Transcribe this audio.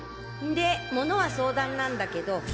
で物は相談なんだけど。